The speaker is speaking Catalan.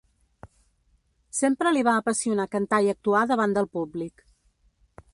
Sempre li va apassionar cantar i actuar davant del públic.